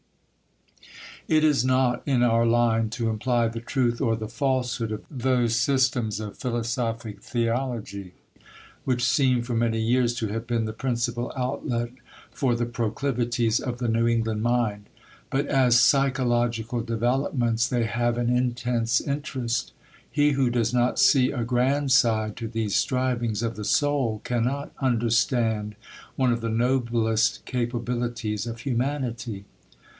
It is not in our line to imply the truth or the falsehood of those systems of philosophic theology which seem for many years to have been the principal outlet for the proclivities of the New England mind, but as psychological developments they have an intense interest. He who does not see a grand side to these strivings of the soul cannot understand one of the noblest capabilities of humanity.